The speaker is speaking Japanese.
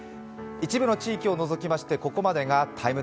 一部の地域を除きまして、ここまでが「ＴＩＭＥ’」。